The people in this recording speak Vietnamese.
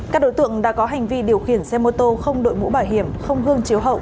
các đối tượng đã có hành vi điều khiển xe mô tô không đội mũ bảo hiểm không hương chiếu hậu